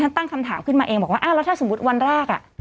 ตั้งคำถามขึ้นมาเองบอกว่าอ้าวแล้วถ้าสมมุติวันแรกอ่ะ